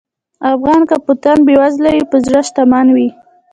افغان که په تن بېوزله وي، په زړه شتمن وي.